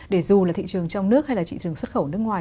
để dù là thị trường trong nước hay là thị trường xuất khẩu nước ngoài